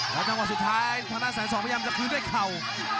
แล้วจริงว่าสุดท้ายอาจารย์แชนสองก็พยายามจะคลื่นด้วยเข่า